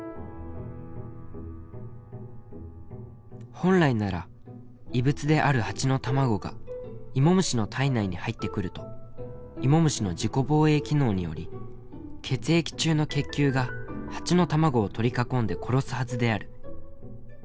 「本来なら異物であるハチの卵がイモムシの体内に入ってくるとイモムシの自己防衛機能により血液中の血球がハチの卵を取り囲んで殺すはずである。